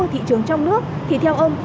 ở thị trường trong nước thì theo ông